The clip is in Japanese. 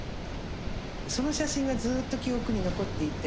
その写真がずっと記憶に残っていて。